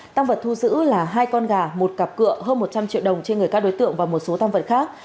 tăng vật thu giữ là hai con gà một cặp cựa hơn một trăm linh triệu đồng trên người các đối tượng và một số tăng vật khác